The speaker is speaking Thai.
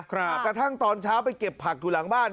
กระทั่งตอนเช้าไปเก็บผักอยู่หลังบ้าน